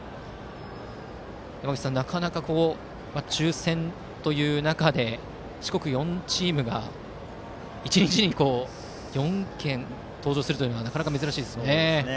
なかなか、抽選という中で四国４チームが１日に４県登場するのはなかなか珍しいですね。